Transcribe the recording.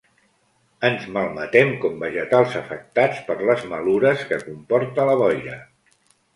Ens malmetem com vegetals afectats per les malures que comporta la boira.